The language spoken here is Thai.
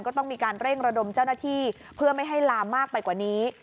ก็ต้องมีการเร่งระดมเจ้าหน้าที่เพื่อไม่ให้ลามมากไปกว่านี้